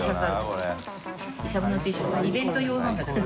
イベント用なんだけど。